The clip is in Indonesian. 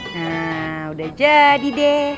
nah udah jadi deh